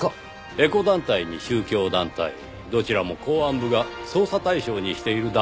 エコ団体に宗教団体どちらも公安部が捜査対象にしている団体です。